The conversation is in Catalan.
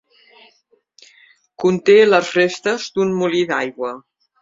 Conté les restes d'un molí d'aigua.